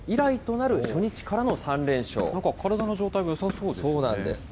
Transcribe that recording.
なんか体の状態がよさそうですね。